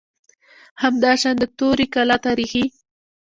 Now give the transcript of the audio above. همداشان د توري کلا تاریخي